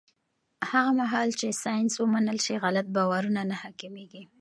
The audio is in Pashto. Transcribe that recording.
هغه مهال چې ساینس ومنل شي، غلط باورونه نه حاکمېږي.